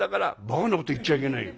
「ばかなこと言っちゃいけないよ。